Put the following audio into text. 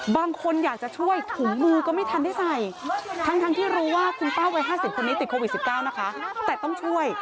บางคนอยากจะช่วยถุงมือก็ไม่ทันได้ใส่ทั้งที่รู้ว่าคุณป้าวัย๕๐คนนี้ติดโควิด๑๙นะคะแต่ต้องช่วย